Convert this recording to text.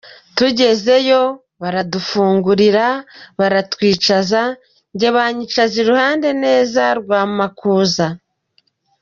Tugezeyo, baradufungurira, baratwicaza, jye banyicaza iruhande neza rwa Makuza.